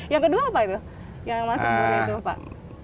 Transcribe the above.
yang kedua apa itu yang masuk dulu itu pak